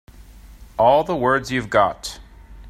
All the words you've got.